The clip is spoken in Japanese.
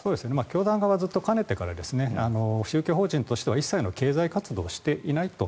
教団側はかねてから宗教法人としては一切の経済活動はしていないと。